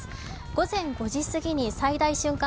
午前５時過ぎに最大瞬間